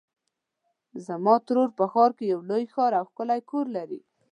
زما ترور په ښار کې یو لوی او ښکلی کور لري.